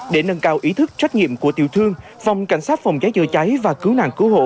để nâng cao ý thức trách nhiệm của tiểu thương phòng cảnh sát phòng cháy chữa cháy và cứu nạn cứu hộ